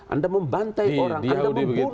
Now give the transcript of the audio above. anda membantai orang anda membunuh